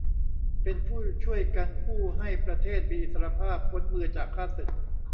เป็นผู้ช่วยกันกู้ให้ประเทศมีอิสสรภาพพ้นมือจากข้าศึก